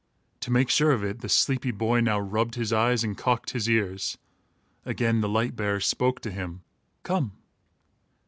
To make sure of it, the sleepy boy now rubbed his eyes and cocked his ears. Again, the light bearer spoke to him: "Come."